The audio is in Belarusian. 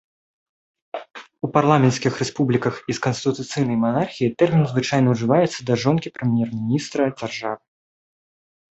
У парламенцкіх рэспубліках і з канстытуцыйнай манархіяй тэрмін звычайна ўжываецца да жонкі прэм'ер-міністра дзяржавы.